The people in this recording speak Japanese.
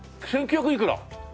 １９００いくら。